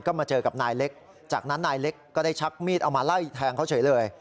ก็มาเจอกับนายเล็กจากนั้นนายเล็กก็ได้ชักมีดเอามาไล่แทงเขาเฉยเลย